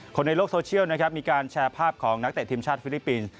คนในโลกโซเชียลนะครับมีการแชร์ภาพของนักเตะทีมชาติฟิลิปปินส์